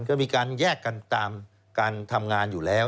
ก็มีการแยกกันตามการทำงานอยู่แล้ว